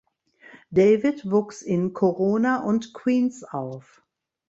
David wuchs in Corona und Queens auf.